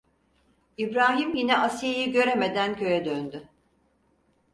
İbrahim yine Asiye'yi göremeden köye döndü.